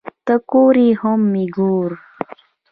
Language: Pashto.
ته کور یې هم مې گور